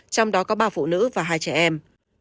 trong đó có ba phụ nữ và hai trẻ em